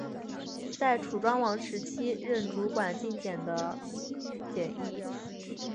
在楚庄王时期任主管进谏的箴尹。